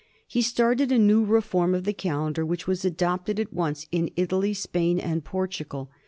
He started a new reform of the calendar, which was adopted at once in Italy, Spain, and Portugal.